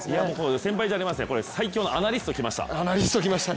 先輩じゃないですよ、最強のアナリスト来ました。